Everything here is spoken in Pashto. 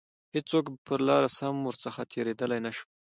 هیڅوک پر لاره سم ورڅخه تیریدلای نه شو.